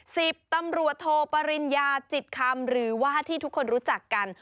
สิบตำรวจโทปริญญาจิตคำหรือว่าที่ทุกคนรู้จักกัน